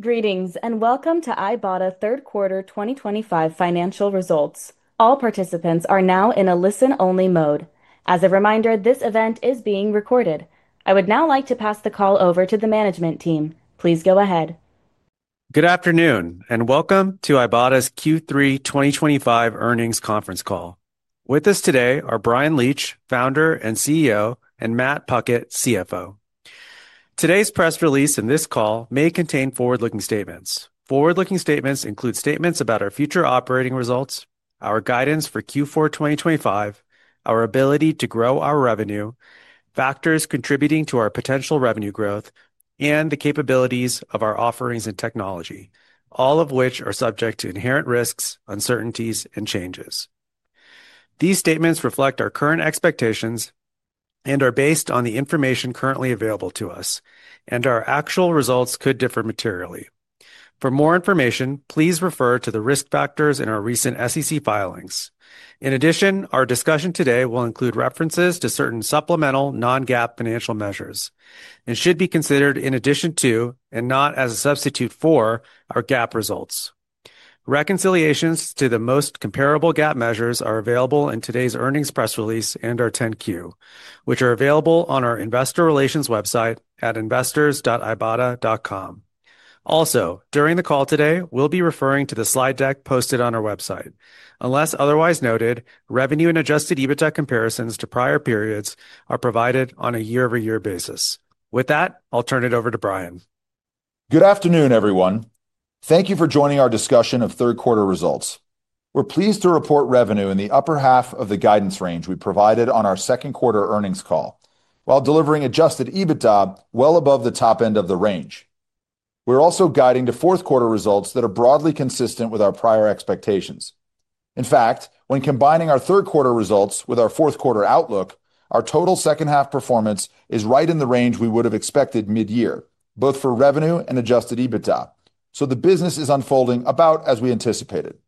Greetings, and welcome to Ibotta Q3 2025 financial results. All participants are now in a listen-only mode. As a reminder, this event is being recorded. I would now like to pass the call over to the management team. Please go ahead. Good afternoon, and welcome to Ibotta's Q3 2025 earnings conference call. With us today are Bryan Leach, Founder and CEO, and Matt Puckett, CFO. Today's press release and this call may contain forward-looking statements. Forward-looking statements include statements about our future operating results, our guidance for Q4 2025, our ability to grow our revenue, factors contributing to our potential revenue growth, and the capabilities of our offerings and technology, all of which are subject to inherent risks, uncertainties, and changes. These statements reflect our current expectations and are based on the information currently available to us, and our actual results could differ materially. For more information, please refer to the risk factors in our recent SEC filings. In addition, our discussion today will include references to certain supplemental non-GAAP financial measures and should be considered in addition to, and not as a substitute for, our GAAP results. Reconciliations to the most comparable GAAP measures are available in today's earnings press release and our 10-Q, which are available on our investor relations website at investors.ibotta.com. Also, during the call today, we'll be referring to the slide deck posted on our website. Unless otherwise noted, revenue and adjusted EBITDA comparisons to prior periods are provided on a year-over-year basis. With that, I'll turn it over to Bryan. Good afternoon, everyone. Thank you for joining our discussion of Q3 results. We're pleased to report revenue in the upper half of the guidance range we provided on our Q2 earnings call, while delivering adjusted EBITDA well above the top end of the range. We're also guiding to Q4 results that are broadly consistent with our prior expectations. In fact, when combining our Q3 results with our Q4 outlook, our total second-half performance is right in the range we would have expected mid-year, both for revenue and adjusted EBITDA, so the business is unfolding about as we anticipated.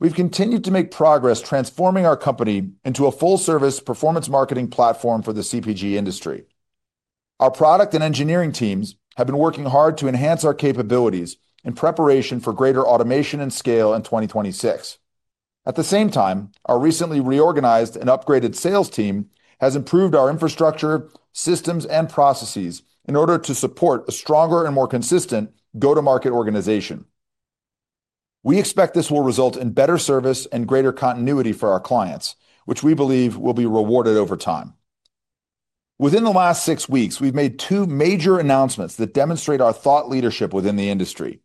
We've continued to make progress transforming our company into a full-service performance marketing platform for the CPG industry. Our product and engineering teams have been working hard to enhance our capabilities in preparation for greater automation and scale in 2026. At the same time, our recently reorganized and upgraded sales team has improved our infrastructure, systems, and processes in order to support a stronger and more consistent go-to-market organization. We expect this will result in better service and greater continuity for our clients, which we believe will be rewarded over time. Within the last six weeks, we've made two major announcements that demonstrate our thought leadership within the industry.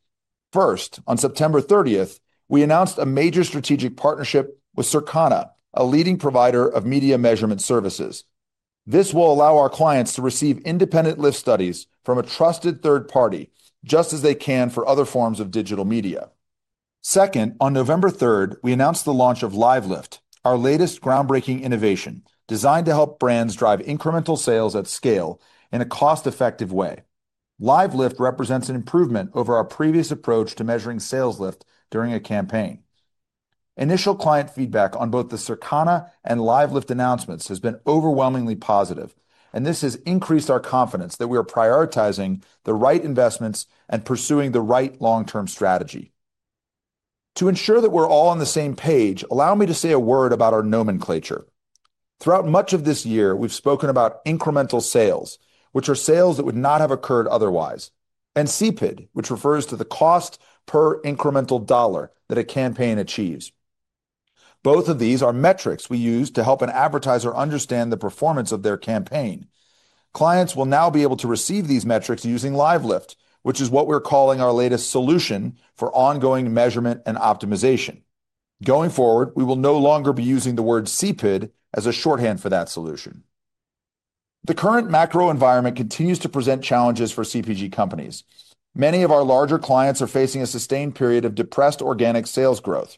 First, on September 30th, we announced a major strategic partnership with Circana, a leading provider of media measurement services. This will allow our clients to receive independent lift studies from a trusted third party just as they can for other forms of digital media. Second, on November 3rd, we announced the launch of LiveLift, our latest groundbreaking innovation designed to help brands drive incremental sales at scale in a cost-effective way. LiveLift represents an improvement over our previous approach to measuring sales lift during a campaign. Initial client feedback on both the Circana and LiveLift announcements has been overwhelmingly positive, and this has increased our confidence that we are prioritizing the right investments and pursuing the right long-term strategy. To ensure that we're all on the same page, allow me to say a word about our nomenclature. Throughout much of this year, we've spoken about incremental sales, which are sales that would not have occurred otherwise, and CPID, which refers to the cost per incremental dollar that a campaign achieves. Both of these are metrics we use to help an advertiser understand the performance of their campaign. Clients will now be able to receive these metrics using LiveLift, which is what we're calling our latest solution for ongoing measurement and optimization. Going forward, we will no longer be using the word CPID as a shorthand for that solution. The current macro environment continues to present challenges for CPG companies. Many of our larger clients are facing a sustained period of depressed organic sales growth.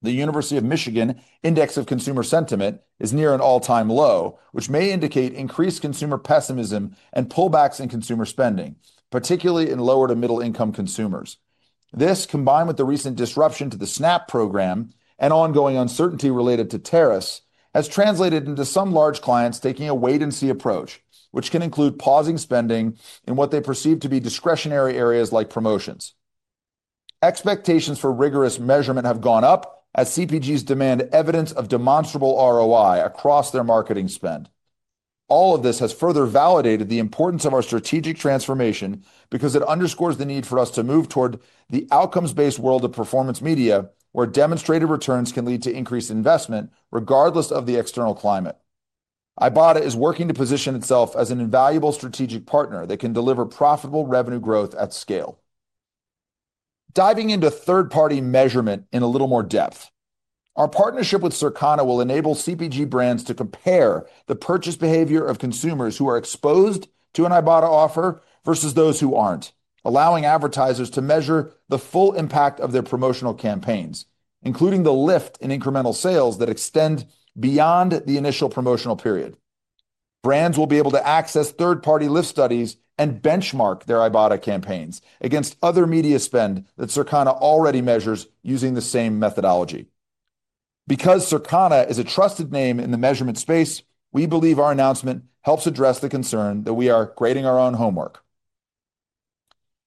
The University of Michigan Index of Consumer Sentiment is near an all-time low, which may indicate increased consumer pessimism and pullbacks in consumer spending, particularly in lower- to middle-income consumers. This, combined with the recent disruption to the SNAP program and ongoing uncertainty related to tariffs, has translated into some large clients taking a wait-and-see approach, which can include pausing spending in what they perceive to be discretionary areas like promotions. Expectations for rigorous measurement have gone up as CPGs demand evidence of demonstrable ROI across their marketing spend. All of this has further validated the importance of our strategic transformation because it underscores the need for us to move toward the outcomes-based world of performance media, where demonstrated returns can lead to increased investment regardless of the external climate. Ibotta is working to position itself as an invaluable strategic partner that can deliver profitable revenue growth at scale. Diving into third-party measurement in a little more depth, our partnership with Circana will enable CPG brands to compare the purchase behavior of consumers who are exposed to an Ibotta offer versus those who are not, allowing advertisers to measure the full impact of their promotional campaigns, including the lift in incremental sales that extend beyond the initial promotional period. Brands will be able to access third-party lift studies and benchmark their Ibotta campaigns against other media spend that Circana already measures using the same methodology. Because Circana is a trusted name in the measurement space, we believe our announcement helps address the concern that we are grading our own homework.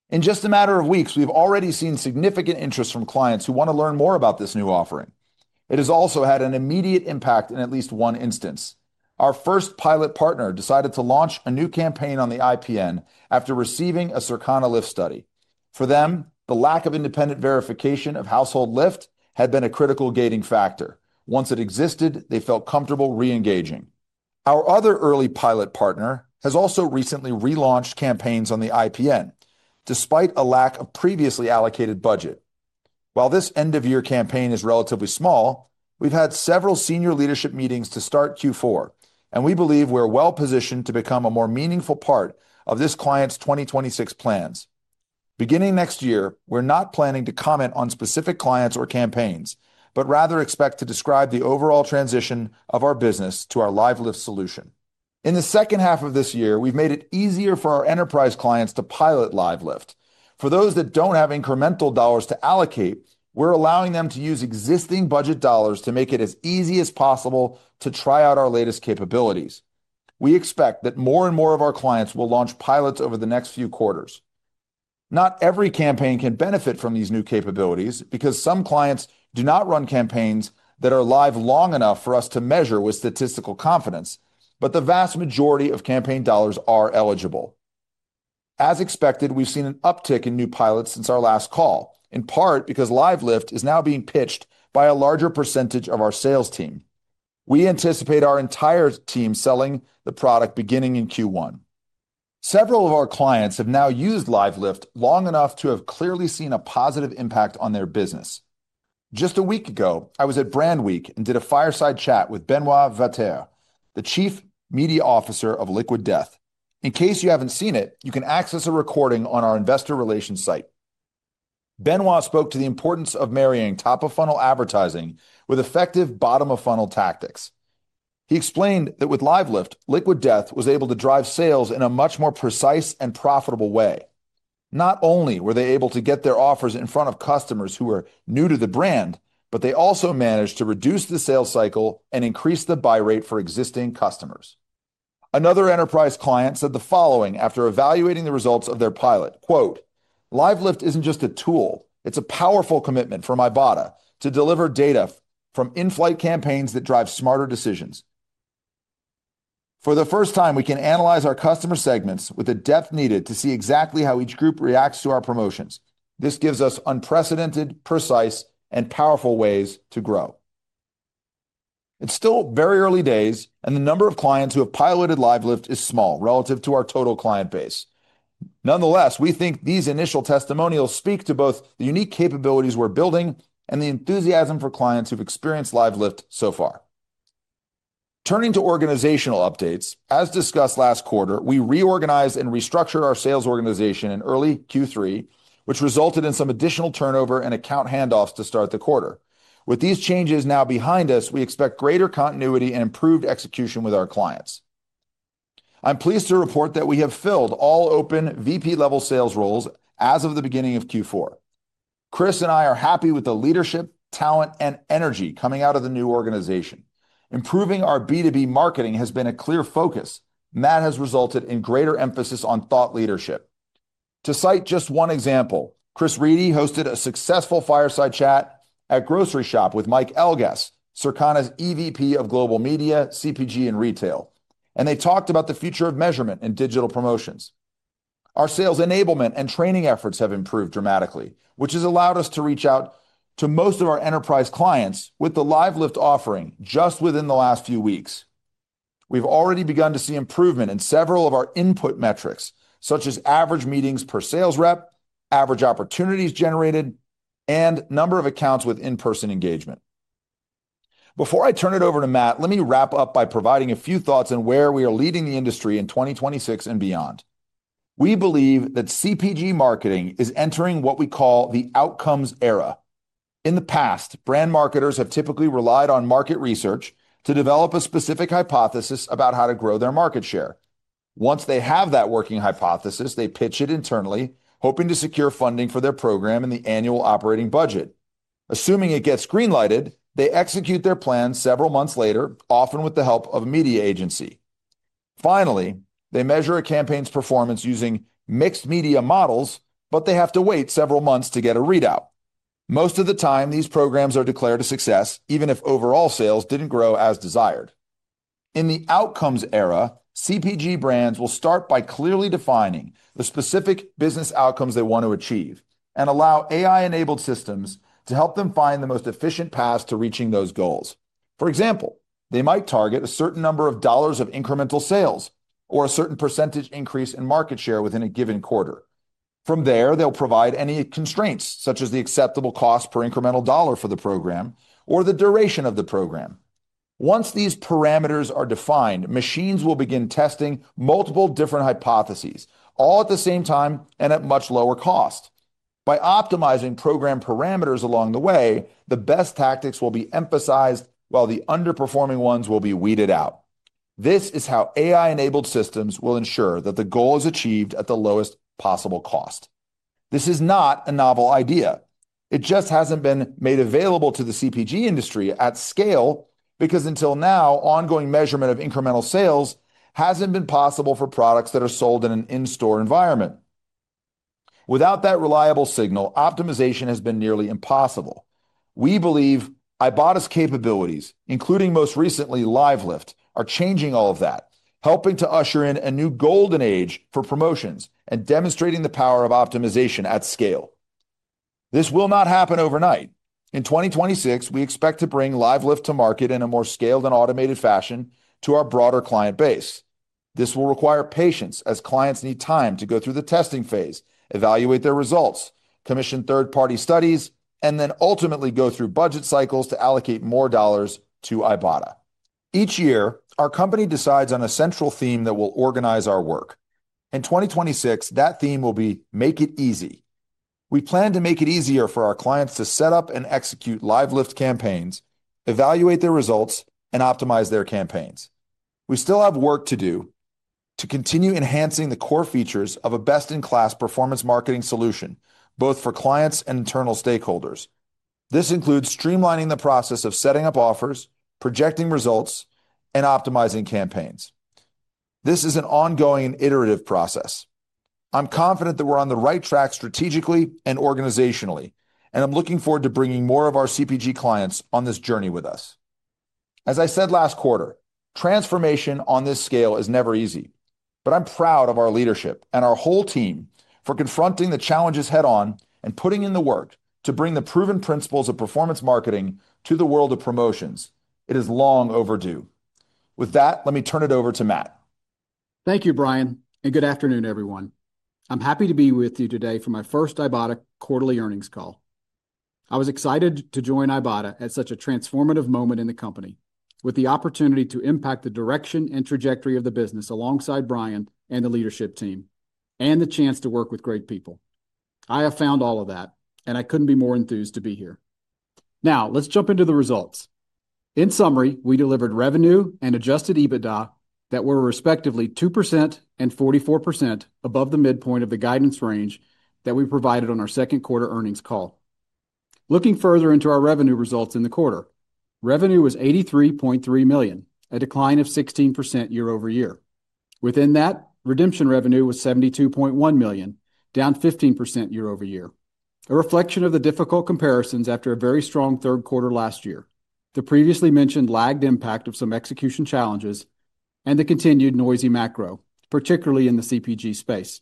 In just a matter of weeks, we've already seen significant interest from clients who want to learn more about this new offering. It has also had an immediate impact in at least one instance. Our first pilot partner decided to launch a new campaign on the IPN after receiving a Circana lift study. For them, the lack of independent verification of household lift had been a critical gating factor. Once it existed, they felt comfortable re-engaging. Our other early pilot partner has also recently relaunched campaigns on the IPN, despite a lack of previously allocated budget. While this end-of-year campaign is relatively small, we've had several senior leadership meetings to start Q4, and we believe we're well-positioned to become a more meaningful part of this client's 2026 plans. Beginning next year, we're not planning to comment on specific clients or campaigns, but rather expect to describe the overall transition of our business to our LiveLift solution. In the second half of this year, we've made it easier for our enterprise clients to pilot LiveLift. For those that don't have incremental dollars to allocate, we're allowing them to use existing budget dollars to make it as easy as possible to try out our latest capabilities. We expect that more and more of our clients will launch pilots over the next few quarters. Not every campaign can benefit from these new capabilities because some clients do not run campaigns that are live long enough for us to measure with statistical confidence, but the vast majority of campaign dollars are eligible. As expected, we've seen an uptick in new pilots since our last call, in part because LiveLift is now being pitched by a larger percentage of our sales team. We anticipate our entire team selling the product beginning in Q1. Several of our clients have now used LiveLift long enough to have clearly seen a positive impact on their business. Just a week ago, I was at Brand Week and did a fireside chat with Benoit Vatere, the Chief Media Officer of Liquid Death. In case you haven't seen it, you can access a recording on our investor relations site. Benoit spoke to the importance of marrying top-of-funnel advertising with effective bottom-of-funnel tactics. He explained that with LiveLift, Liquid Death was able to drive sales in a much more precise and profitable way. Not only were they able to get their offers in front of customers who were new to the brand, but they also managed to reduce the sales cycle and increase the buy rate for existing customers. Another enterprise client said the following after evaluating the results of their pilot: "LiveLift isn't just a tool. It's a powerful commitment from Ibotta to deliver data from in-flight campaigns that drive smarter decisions. For the first time, we can analyze our customer segments with the depth needed to see exactly how each group reacts to our promotions. This gives us unprecedented, precise, and powerful ways to grow." It's still very early days, and the number of clients who have piloted LiveLift is small relative to our total client base. Nonetheless, we think these initial testimonials speak to both the unique capabilities we're building and the enthusiasm for clients who've experienced LiveLift so far. Turning to organizational updates, as discussed last quarter, we reorganized and restructured our sales organization in early Q3, which resulted in some additional turnover and account handoffs to start the quarter. With these changes now behind us, we expect greater continuity and improved execution with our clients. I'm pleased to report that we have filled all open VP-level sales roles as of the beginning of Q4. Chris and I are happy with the leadership, talent, and energy coming out of the new organization. Improving our B2B marketing has been a clear focus, and that has resulted in greater emphasis on thought leadership. To cite just one example, Chris Riedy hosted a successful fireside chat at Grocery Shop with Mike Elgas, Circana's EVP of Global Media, CPG, and Retail, and they talked about the future of measurement in digital promotions. Our sales enablement and training efforts have improved dramatically, which has allowed us to reach out to most of our enterprise clients with the LiveLift offering just within the last few weeks. We've already begun to see improvement in several of our input metrics, such as average meetings per sales rep, average opportunities generated, and number of accounts with in-person engagement. Before I turn it over to Matt, let me wrap up by providing a few thoughts on where we are leading the industry in 2026 and beyond. We believe that CPG marketing is entering what we call the outcomes era. In the past, brand marketers have typically relied on market research to develop a specific hypothesis about how to grow their market share. Once they have that working hypothesis, they pitch it internally, hoping to secure funding for their program in the annual operating budget. Assuming it gets greenlighted, they execute their plans several months later, often with the help of a media agency. Finally, they measure a campaign's performance using mixed media models, but they have to wait several months to get a readout. Most of the time, these programs are declared a success, even if overall sales did not grow as desired. In the outcomes era, CPG brands will start by clearly defining the specific business outcomes they want to achieve and allow AI-enabled systems to help them find the most efficient paths to reaching those goals. For example, they might target a certain number of dollars of incremental sales or a certain percentage increase in market share within a given quarter. From there, they'll provide any constraints, such as the acceptable cost per incremental dollar for the program or the duration of the program. Once these parameters are defined, machines will begin testing multiple different hypotheses, all at the same time and at much lower cost. By optimizing program parameters along the way, the best tactics will be emphasized while the underperforming ones will be weeded out. This is how AI-enabled systems will ensure that the goal is achieved at the lowest possible cost. This is not a novel idea. It just hasn't been made available to the CPG industry at scale because until now, ongoing measurement of incremental sales hasn't been possible for products that are sold in an in-store environment. Without that reliable signal, optimization has been nearly impossible. We believe Ibotta's capabilities, including most recently LiveLift, are changing all of that, helping to usher in a new golden age for promotions and demonstrating the power of optimization at scale. This will not happen overnight. In 2026, we expect to bring LiveLift to market in a more scaled and automated fashion to our broader client base. This will require patience, as clients need time to go through the testing phase, evaluate their results, commission third-party studies, and then ultimately go through budget cycles to allocate more dollars to Ibotta. Each year, our company decides on a central theme that will organize our work. In 2026, that theme will be "Make It Easy." We plan to make it easier for our clients to set up and execute LiveLift campaigns, evaluate their results, and optimize their campaigns. We still have work to do to continue enhancing the core features of a best-in-class performance marketing solution, both for clients and internal stakeholders. This includes streamlining the process of setting up offers, projecting results, and optimizing campaigns. This is an ongoing and iterative process. I'm confident that we're on the right track strategically and organizationally, and I'm looking forward to bringing more of our CPG clients on this journey with us. As I said last quarter, transformation on this scale is never easy, but I'm proud of our leadership and our whole team for confronting the challenges head-on and putting in the work to bring the proven principles of performance marketing to the world of promotions. It is long overdue. With that, let me turn it over to Matt. Thank you, Bryan, and good afternoon, everyone. I'm happy to be with you today for my first Ibotta quarterly earnings call. I was excited to join Ibotta at such a transformative moment in the company, with the opportunity to impact the direction and trajectory of the business alongside Bryan and the leadership team, and the chance to work with great people. I have found all of that, and I couldn't be more enthused to be here. Now, let's jump into the results. In summary, we delivered revenue and adjusted EBITDA that were respectively 2% and 44% above the midpoint of the guidance range that we provided on our second quarter earnings call. Looking further into our revenue results in the quarter, revenue was $83.3 million, a decline of 16% year-over-year. Within that, redemption revenue was $72.1 million, down 15% year-over-year, a reflection of the difficult comparisons after a very strong third quarter last year, the previously mentioned lagged impact of some execution challenges, and the continued noisy macro, particularly in the CPG space.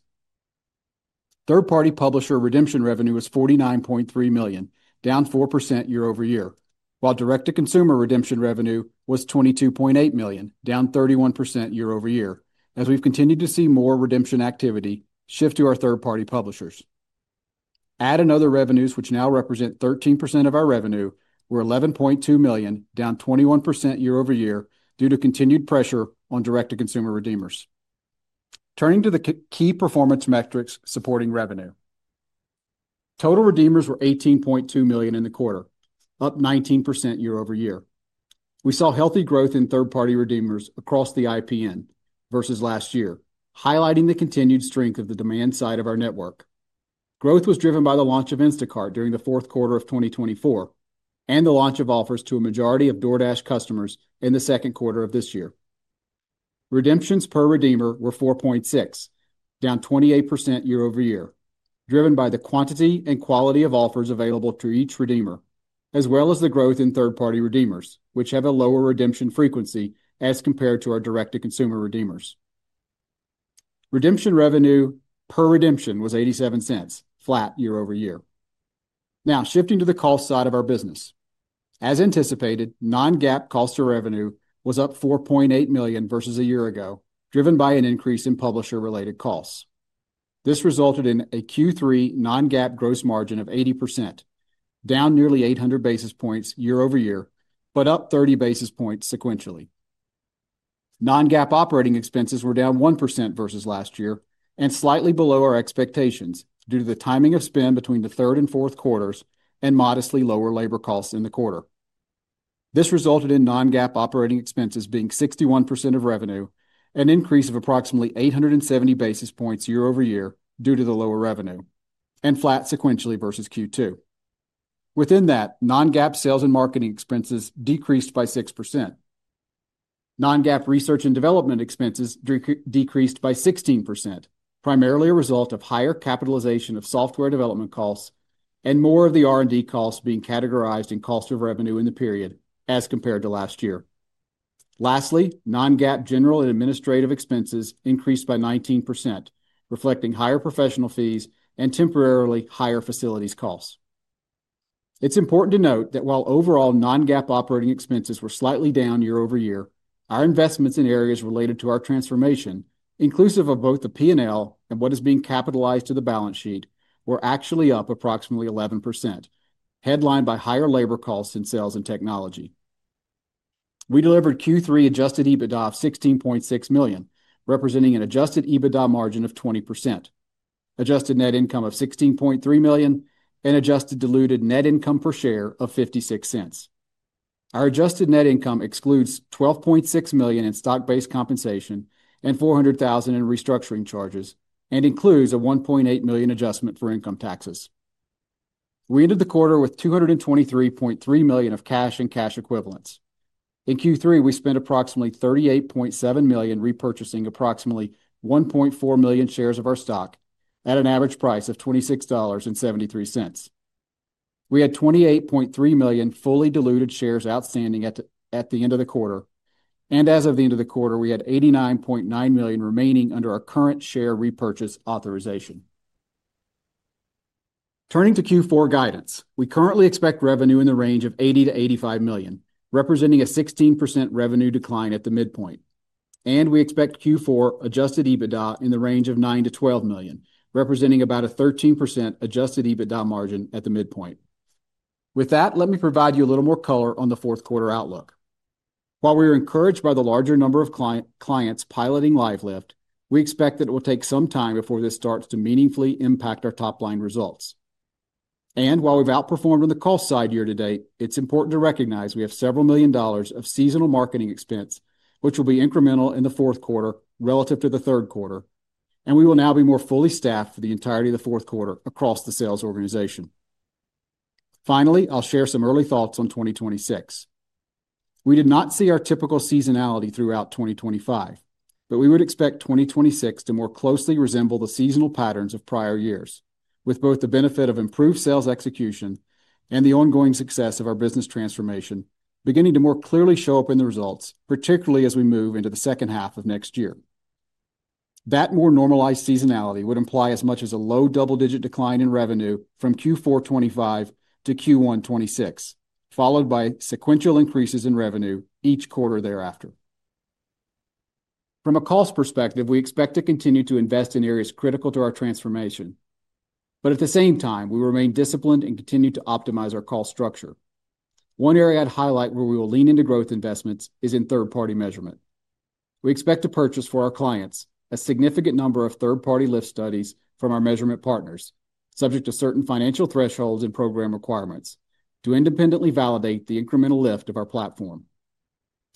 Third-party publisher redemption revenue was $49.3 million, down 4% year-over-year, while direct-to-consumer redemption revenue was $22.8 million, down 31% year-over-year, as we've continued to see more redemption activity shift to our third-party publishers. Add in other revenues, which now represent 13% of our revenue, were $11.2 million, down 21% year-over-year due to continued pressure on direct-to-consumer redeemers. Turning to the key performance metrics supporting revenue, total redeemers were 18.2 million in the quarter, up 19% year-over-year. We saw healthy growth in third-party redeemers across the IPN versus last year, highlighting the continued strength of the demand side of our network. Growth was driven by the launch of Instacart during the fourth quarter of 2024 and the launch of offers to a majority of DoorDash customers in the second quarter of this year. Redemptions per redeemer were $4.6, down 28% year-over-year, driven by the quantity and quality of offers available to each redeemer, as well as the growth in third-party redeemers, which have a lower redemption frequency as compared to our direct-to-consumer redeemers. Redemption revenue per redemption was $0.87, flat year-over-year. Now, shifting to the cost side of our business. As anticipated, non-GAAP cost of revenue was up $4.8 million versus a year ago, driven by an increase in publisher-related costs. This resulted in a Q3 non-GAAP gross margin of 80%, down nearly 800 bps year-over-year, but up 30 bps points sequentially. Non-GAAP operating expenses were down 1% versus last year and slightly below our expectations due to the timing of spend between the third and fourth quarters and modestly lower labor costs in the quarter. This resulted in non-GAAP operating expenses being 61% of revenue, an increase of approximately 870 bps points year-over-year due to the lower revenue, and flat sequentially versus Q2. Within that, non-GAAP sales and marketing expenses decreased by 6%. Non-GAAP research and development expenses decreased by 16%, primarily a result of higher capitalization of software development costs and more of the R&D costs being categorized in cost of revenue in the period as compared to last year. Lastly, non-GAAP general and administrative expenses increased by 19%, reflecting higher professional fees and temporarily higher facilities costs. It's important to note that while overall non-GAAP operating expenses were slightly down year-over-year, our investments in areas related to our transformation, inclusive of both the P&L and what is being capitalized to the balance sheet, were actually up approximately 11%, headlined by higher labor costs in sales and technology. We delivered Q3 adjusted EBITDA of $16.6 million, representing an adjusted EBITDA margin of 20%, adjusted net income of $16.3 million, and adjusted diluted net income per share of $0.56. Our adjusted net income excludes $12.6 million in stock-based compensation and $400,000 in restructuring charges and includes a $1.8 million adjustment for income taxes. We ended the quarter with $223.3 million of cash and cash equivalents. In Q3, we spent approximately $38.7 million repurchasing approximately 1.4 million shares of our stock at an average price of $26.73. We had $28.3 million fully diluted shares outstanding at the end of the quarter, and as of the end of the quarter, we had $89.9 million remaining under our current share repurchase authorization. Turning to Q4 guidance, we currently expect revenue in the range of $80-$85 million, representing a 16% revenue decline at the midpoint, and we expect Q4 adjusted EBITDA in the range of $9-$12 million, representing about a 13% adjusted EBITDA margin at the midpoint. With that, let me provide you a little more color on the fourth quarter outlook. While we are encouraged by the larger number of clients piloting LiveLift, we expect that it will take some time before this starts to meaningfully impact our top-line results. While we have outperformed on the cost side year to date, it is important to recognize we have several million dollars of seasonal marketing expense, which will be incremental in the fourth quarter relative to the third quarter, and we will now be more fully staffed for the entirety of the fourth quarter across the sales organization. Finally, I will share some early thoughts on 2026. We did not see our typical seasonality throughout 2025, but we would expect 2026 to more closely resemble the seasonal patterns of prior years, with both the benefit of improved sales execution and the ongoing success of our business transformation beginning to more clearly show up in the results, particularly as we move into the second half of next year. That more normalized seasonality would imply as much as a low double-digit decline in revenue from Q4 2025 to Q1 2026, followed by sequential increases in revenue each quarter thereafter. From a cost perspective, we expect to continue to invest in areas critical to our transformation, but at the same time, we remain disciplined and continue to optimize our cost structure. One area I'd highlight where we will lean into growth investments is in third-party measurement. We expect to purchase for our clients a significant number of third-party lift studies from our measurement partners, subject to certain financial thresholds and program requirements, to independently validate the incremental lift of our platform.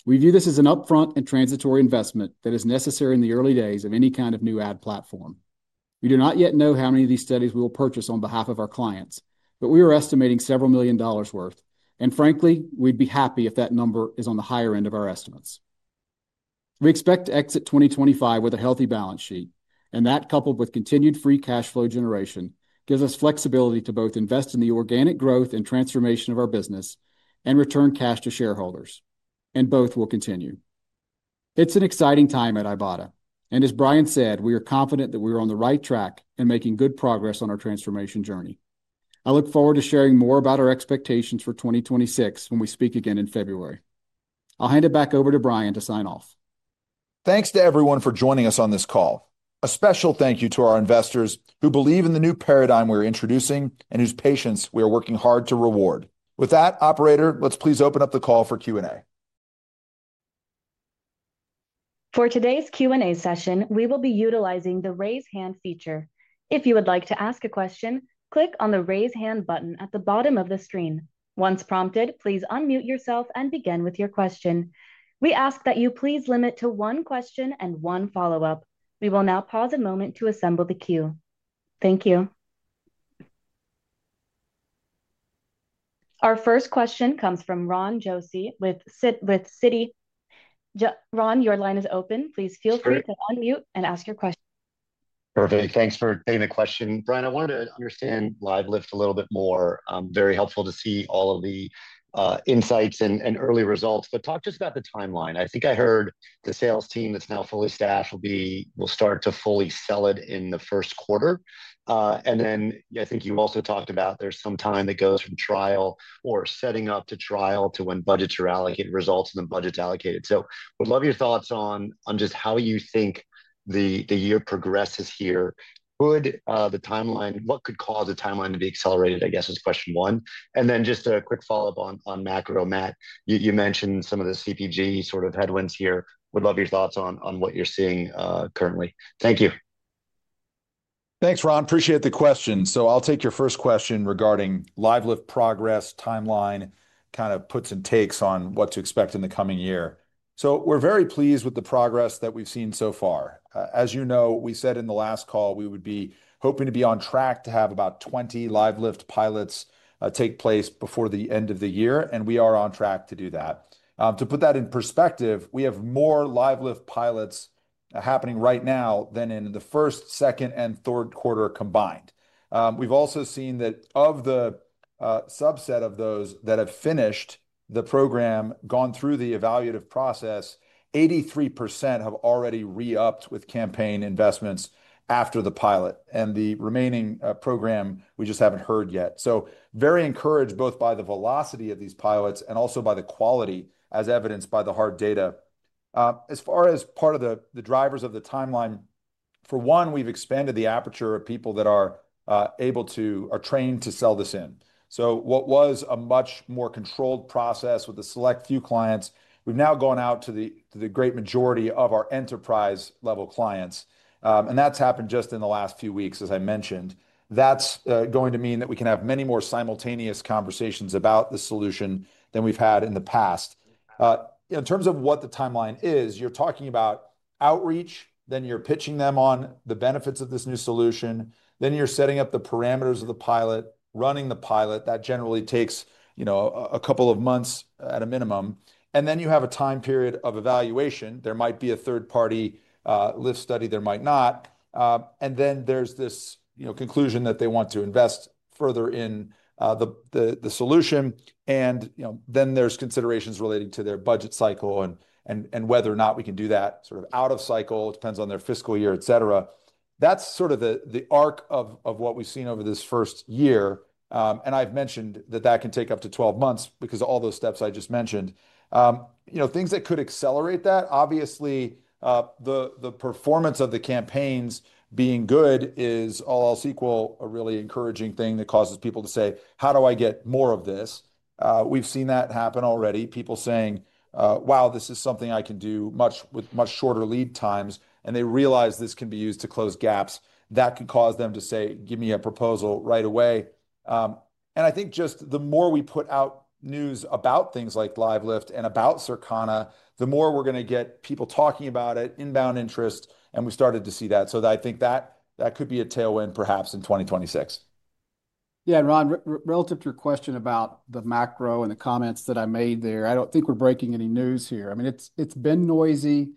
We view this as an upfront and transitory investment that is necessary in the early days of any kind of new ad platform. We do not yet know how many of these studies we will purchase on behalf of our clients, but we are estimating several million dollars' worth, and frankly, we'd be happy if that number is on the higher end of our estimates. We expect to exit 2025 with a healthy balance sheet, and that, coupled with continued free cash flow generation, gives us flexibility to both invest in the organic growth and transformation of our business and return cash to shareholders, and both will continue. It's an exciting time at Ibotta, and as Bryan said, we are confident that we are on the right track and making good progress on our transformation journey. I look forward to sharing more about our expectations for 2026 when we speak again in February. I'll hand it back over to Bryan to sign off. Thanks to everyone for joining us on this call. A special thank you to our investors who believe in the new paradigm we are introducing and whose patience we are working hard to reward. With that, Operator, let's please open up the call for Q&A. For today's Q&A session, we will be utilizing the raise hand feature. If you would like to ask a question, click on the raise hand button at the bottom of the screen. Once prompted, please unmute yourself and begin with your question. We ask that you please limit to one question and one follow-up. We will now pause a moment to assemble the queue. Thank you. Our first question comes from Ron Josey with Citi. Ron, your line is open. Please feel free to unmute and ask your question. Perfect. Thanks for taking the question. Bryan, I wanted to understand LiveLift a little bit more. Very helpful to see all of the insights and early results, but talk just about the timeline. I think I heard the sales team that's now fully staffed will start to fully sell it in the first quarter. I think you also talked about there's some time that goes from trial or setting up to trial to when budgets are allocated, results and then budgets allocated. We'd love your thoughts on just how you think the year progresses here. What could cause the timeline to be accelerated, I guess, is question one. Just a quick follow-up on macro. Matt, you mentioned some of the CPG sort of headwinds here. We'd love your thoughts on what you're seeing currently. Thank you. Thanks, Ron. Appreciate the question. I'll take your first question regarding LiveLift progress, timeline, kind of puts and takes on what to expect in the coming year. We're very pleased with the progress that we've seen so far. As you know, we said in the last call we would be hoping to be on track to have about 20 LiveLift pilots take place before the end of the year, and we are on track to do that. To put that in perspective, we have more LiveLift pilots happening right now than in the first, second, and third quarter combined. We've also seen that of the subset of those that have finished the program, gone through the evaluative process, 83% have already re-upped with campaign investments after the pilot, and the remaining program we just haven't heard yet. Very encouraged both by the velocity of these pilots and also by the quality, as evidenced by the hard data. As far as part of the drivers of the timeline, for one, we've expanded the aperture of people that are able to are trained to sell this in. What was a much more controlled process with a select few clients, we've now gone out to the great majority of our enterprise-level clients, and that's happened just in the last few weeks, as I mentioned. That's going to mean that we can have many more simultaneous conversations about the solution than we've had in the past. In terms of what the timeline is, you're talking about outreach, then you're pitching them on the benefits of this new solution, then you're setting up the parameters of the pilot, running the pilot. That generally takes a couple of months at a minimum, and then you have a time period of evaluation. There might be a third-party lift study. There might not. Then there is this conclusion that they want to invest further in the solution, and then there are considerations relating to their budget cycle and whether or not we can do that sort of out of cycle. It depends on their fiscal year, etc. That is sort of the arc of what we have seen over this first year, and I have mentioned that that can take up to 12 months because of all those steps I just mentioned. Things that could accelerate that, obviously, the performance of the campaigns being good is, I will say, a really encouraging thing that causes people to say, "How do I get more of this?" We have seen that happen already. People saying, "Wow, this is something I can do with much shorter lead times," and they realize this can be used to close gaps. That could cause them to say, "Give me a proposal right away." I think just the more we put out news about things like LiveLift and about Circana, the more we're going to get people talking about it, inbound interest, and we started to see that. I think that could be a tailwind perhaps in 2026. Yeah, Ron, relative to your question about the macro and the comments that I made there, I do not think we're breaking any news here. I mean, it's been noisy,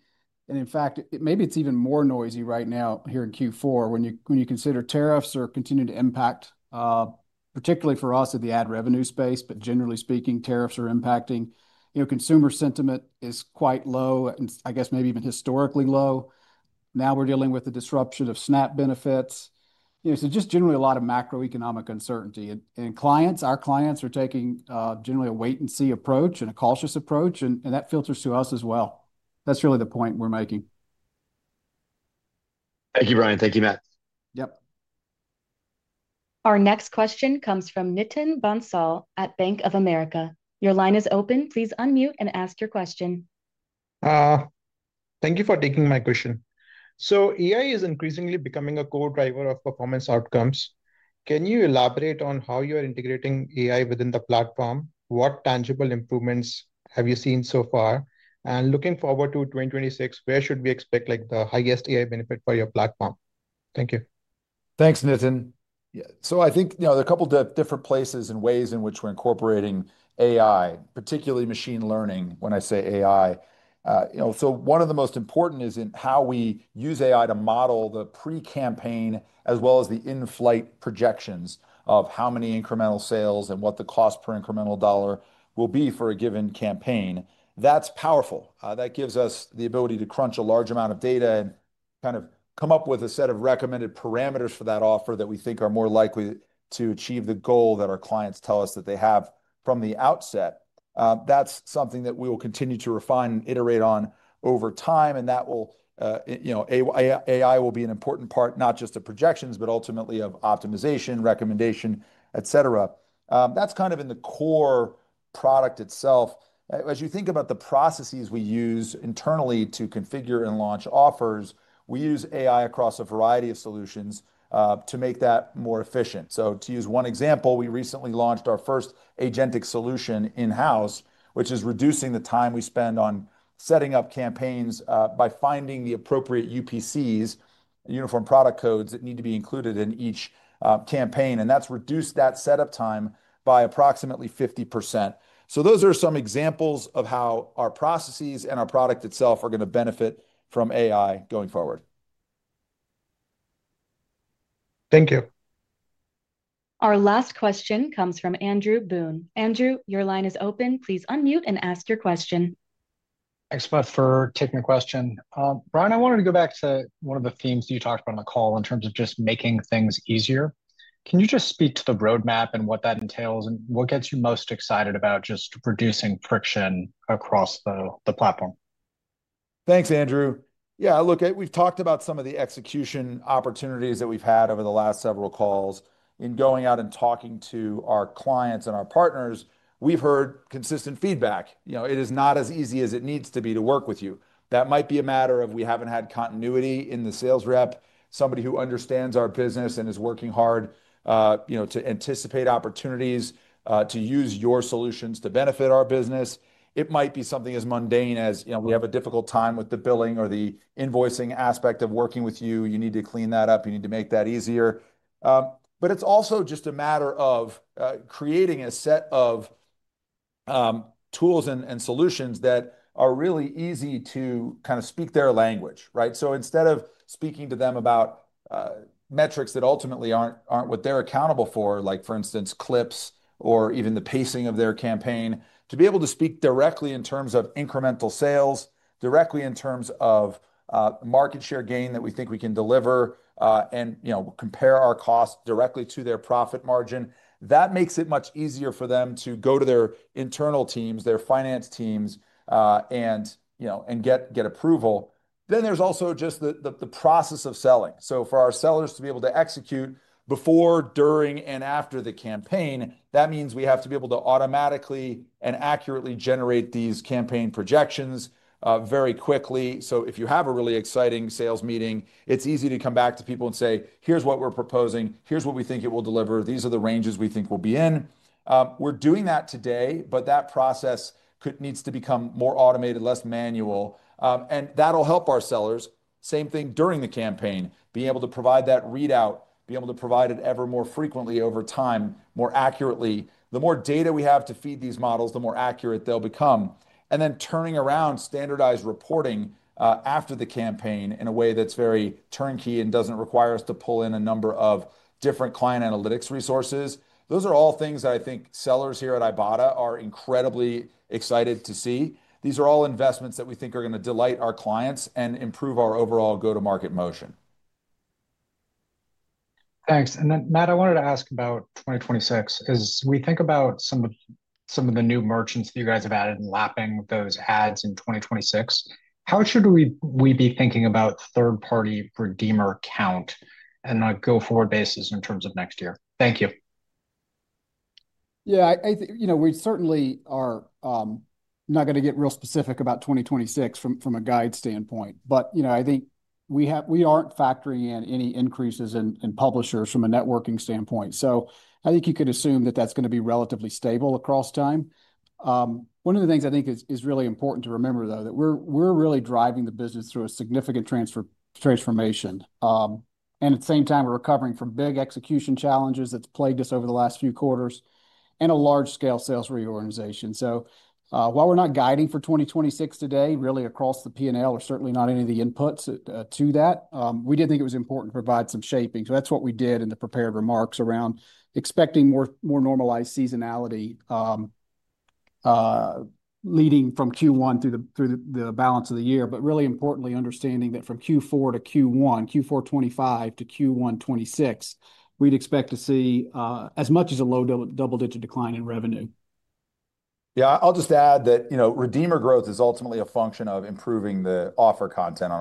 and in fact, maybe it's even more noisy right now here in Q4 when you consider tariffs are continuing to impact, particularly for us in the ad revenue space, but generally speaking, tariffs are impacting. Consumer sentiment is quite low, and I guess maybe even historically low. Now we're dealing with the disruption of SNAP benefits. Just generally a lot of macroeconomic uncertainty, and clients, our clients are taking generally a wait-and-see approach and a cautious approach, and that filters to us as well. That's really the point we're making. Thank you, Bryan. Thank you, Matt. Yep. Our next question comes from Nitin Bansal at Bank of America. Your line is open. Please unmute and ask your question. Thank you for taking my question. AI is increasingly becoming a core driver of performance outcomes. Can you elaborate on how you are integrating AI within the platform? What tangible improvements have you seen so far? Looking forward to 2026, where should we expect the highest AI benefit for your platform? Thank you. Thanks, Nitin. I think there are a couple of different places and ways in which we're incorporating AI, particularly machine learning when I say AI. One of the most important is in how we use AI to model the pre-campaign as well as the in-flight projections of how many incremental sales and what the cost per incremental dollar will be for a given campaign. That's powerful. That gives us the ability to crunch a large amount of data and kind of come up with a set of recommended parameters for that offer that we think are more likely to achieve the goal that our clients tell us that they have from the outset. That's something that we will continue to refine and iterate on over time, and AI will be an important part, not just of projections, but ultimately of optimization, recommendation, etc. That's kind of in the core product itself. As you think about the processes we use internally to configure and launch offers, we use AI across a variety of solutions to make that more efficient. To use one example, we recently launched our first agentic solution in-house, which is reducing the time we spend on setting up campaigns by finding the appropriate UPCs, universal product codes that need to be included in each campaign, and that's reduced that setup time by approximately 50%. Those are some examples of how our processes and our product itself are going to benefit from AI going forward. Thank you. Our last question comes from Andrew Boone. Andrew, your line is open. Please unmute and ask your question. Thanks, Beth, for taking the question. Bryan, I wanted to go back to one of the themes that you talked about on the call in terms of just making things easier. Can you just speak to the roadmap and what that entails and what gets you most excited about just reducing friction across the platform? Thanks, Andrew. Yeah, look, we've talked about some of the execution opportunities that we've had over the last several calls. In going out and talking to our clients and our partners, we've heard consistent feedback. It is not as easy as it needs to be to work with you. That might be a matter of we haven't had continuity in the sales rep, somebody who understands our business and is working hard to anticipate opportunities to use your solutions to benefit our business. It might be something as mundane as we have a difficult time with the billing or the invoicing aspect of working with you. You need to clean that up. You need to make that easier. It is also just a matter of creating a set of tools and solutions that are really easy to kind of speak their language. So instead of speaking to them about metrics that ultimately are not what they are accountable for, like for instance, clips or even the pacing of their campaign, to be able to speak directly in terms of incremental sales, directly in terms of market share gain that we think we can deliver and compare our costs directly to their profit margin, that makes it much easier for them to go to their internal teams, their finance teams, and get approval. There is also just the process of selling. For our sellers to be able to execute before, during, and after the campaign, that means we have to be able to automatically and accurately generate these campaign projections very quickly. If you have a really exciting sales meeting, it's easy to come back to people and say, "Here's what we're proposing. Here's what we think it will deliver. These are the ranges we think we'll be in." We're doing that today, but that process needs to become more automated, less manual, and that'll help our sellers. Same thing during the campaign, being able to provide that readout, being able to provide it ever more frequently over time, more accurately. The more data we have to feed these models, the more accurate they'll become. Turning around standardized reporting after the campaign in a way that's very turnkey and doesn't require us to pull in a number of different client analytics resources. Those are all things that I think sellers here at Ibotta are incredibly excited to see. These are all investments that we think are going to delight our clients and improve our overall go-to-market motion. Thanks. Matt, I wanted to ask about 2026. As we think about some of the new merchants that you guys have added and lapping those ads in 2026, how should we be thinking about third-party redeemer count on a go-forward basis in terms of next year? Thank you. Yeah, we certainly are not going to get real specific about 2026 from a guide standpoint, but I think we aren't factoring in any increases in publishers from a networking standpoint. I think you could assume that that's going to be relatively stable across time. One of the things I think is really important to remember, though, that we're really driving the business through a significant transformation. At the same time, we're recovering from big execution challenges that's plagued us over the last few quarters and a large-scale sales reorganization. While we're not guiding for 2026 today, really across the P&L, or certainly not any of the inputs to that, we did think it was important to provide some shaping. That's what we did in the prepared remarks around expecting more normalized seasonality leading from Q1 through the balance of the year, but really importantly understanding that from Q4 to Q1, Q4 2025 to Q1 2026, we'd expect to see as much as a low double-digit decline in revenue. Yeah, I'll just add that redeemer growth is ultimately a function of improving the offer content on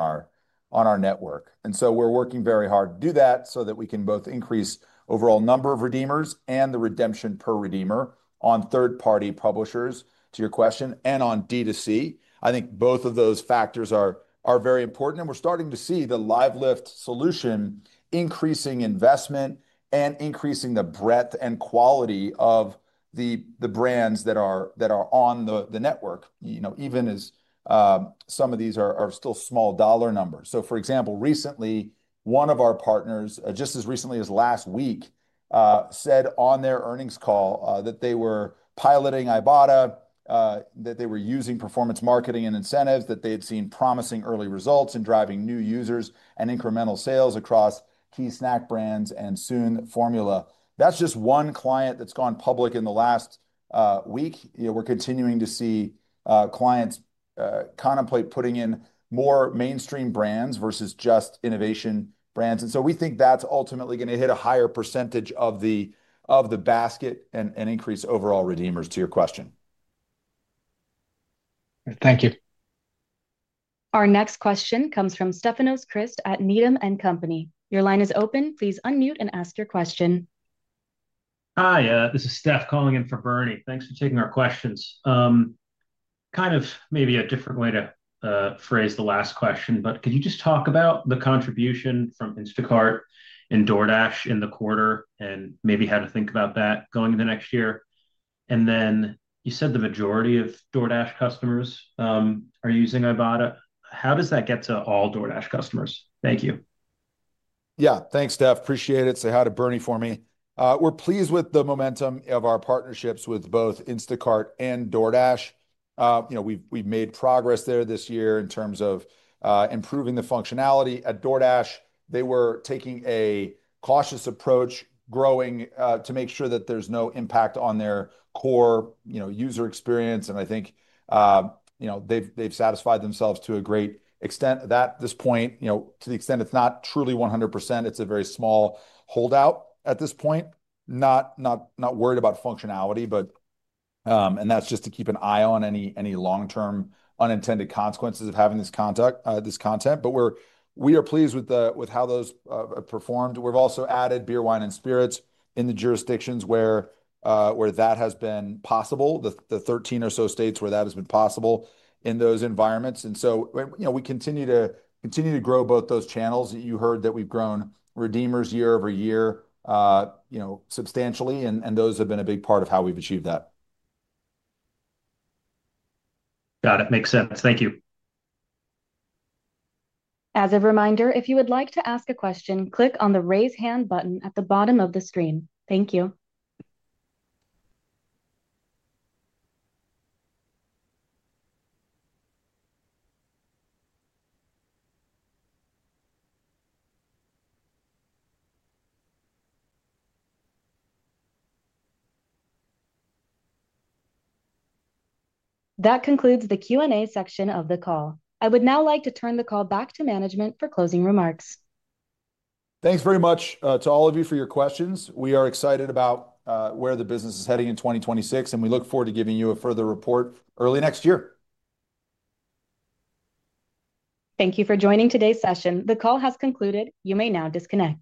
our network. We are working very hard to do that so that we can both increase overall number of redeemers and the redemption per redeemer on third-party publishers, to your question, and on D to C. I think both of those factors are very important, and we're starting to see the LiveLift solution increasing investment and increasing the breadth and quality of the brands that are on the network, even as some of these are still small dollar numbers. For example, recently, one of our partners, just as recently as last week, said on their earnings call that they were piloting Ibotta, that they were using performance marketing and incentives, that they had seen promising early results in driving new users and incremental sales across key SNAC brands and soon formula. That's just one client that's gone public in the last week. We're continuing to see clients contemplate putting in more mainstream brands versus just innovation brands. We think that's ultimately going to hit a higher percentage of the basket and increase overall redeemers, to your question. Thank you. Our next question comes from Stefanos Christ at Needham & Company. Your line is open. Please unmute and ask your question. Hi, this is Steph calling in for Bernie. Thanks for taking our questions. Kind of maybe a different way to phrase the last question, but could you just talk about the contribution from Instacart and DoorDash in the quarter and maybe how to think about that going into next year? You said the majority of DoorDash customers are using Ibotta. How does that get to all DoorDash customers? Thank you. Yeah, thanks, Steph. Appreciate it. Say hi to Bernie for me. We're pleased with the momentum of our partnerships with both Instacart and DoorDash. We've made progress there this year in terms of improving the functionality. At DoorDash, they were taking a cautious approach, growing to make sure that there's no impact on their core user experience. I think they've satisfied themselves to a great extent at this point. To the extent it's not truly 100%, it's a very small holdout at this point. Not worried about functionality, and that's just to keep an eye on any long-term unintended consequences of having this content. We are pleased with how those performed. We've also added beer, wine, and spirits in the jurisdictions where that has been possible, the 13 or so states where that has been possible in those environments. We continue to grow both those channels. You heard that we've grown redeemers year over year substantially, and those have been a big part of how we've achieved that. Got it. Makes sense. Thank you. As a reminder, if you would like to ask a question, click on the raise hand button at the bottom of the screen. Thank you. That concludes the Q&A section of the call. I would now like to turn the call back to management for closing remarks. Thanks very much to all of you for your questions. We are excited about where the business is heading in 2026, and we look forward to giving you a further report early next year. Thank you for joining today's session. The call has concluded. You may now disconnect.